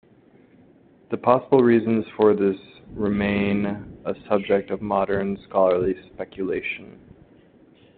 The possible reasons for this remain a subject of modern scholarly speculation.